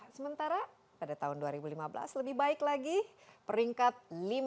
sementara pada tahun dua ribu lima belas lebih baik lagi peringkat lima puluh dari satu ratus empat puluh satu negara